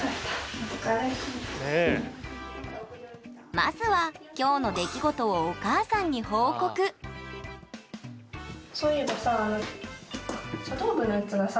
まずは今日の出来事をお母さんに報告そういえばさあ